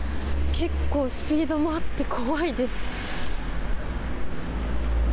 結構スピードもあって怖いです。